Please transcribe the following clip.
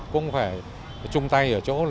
cũng phải chung tay ở chỗ